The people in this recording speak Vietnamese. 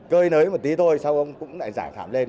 cơi nới một tí thôi sau ông cũng lại giải thảm lên